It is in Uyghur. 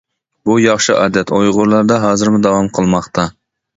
بۇ ياخشى ئادەت ئۇيغۇرلاردا ھازىرمۇ داۋام قىلماقتا.